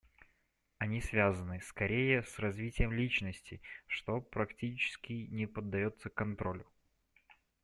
Они связаны, скорее, с развитием личности, что, практически, не подается контролю.